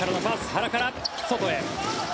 原から外へ。